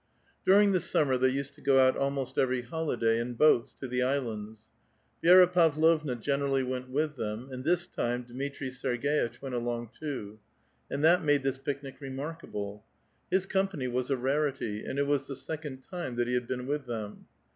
During the summer they used to go out almost every holiday in boats to the islands. Vi^ra ■^^.vlovua generally went with them, aud this time Dmitri fc>erg^itch went along too, aud that made this picnic remark *^lti. His company was a rarit}'^, and it was the second *^*iae that he had been with them.